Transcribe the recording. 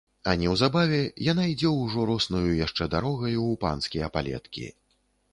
А неўзабаве яна ідзе ўжо роснаю яшчэ дарогаю ў панскія палеткі.